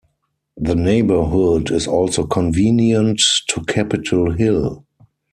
The neighborhood is also convenient to Capitol Hill.